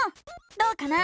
どうかな？